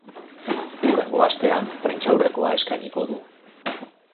Hurrengo astean prentsaurrekoa eskainiko du.